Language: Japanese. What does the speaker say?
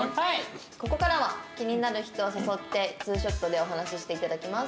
ここからは気になる人を誘ってツーショットでお話ししていただきます」